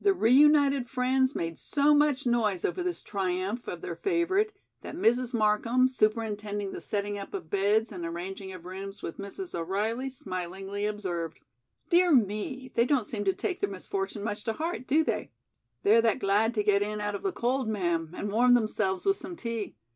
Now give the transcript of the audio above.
The reunited friends made so much noise over this triumph of their favorite that Mrs. Markham, superintending the setting up of beds and arranging of rooms with Mrs. O'Reilly, smilingly observed: "Dear me, they don't seem to take their misfortune much to heart, do they?" "They're that glad to get in out of the cold, ma'am, and warm themselves with some tea.